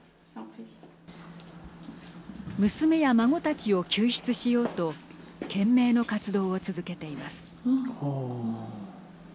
娘や孫たちを救出しようと懸命の活動を続けています。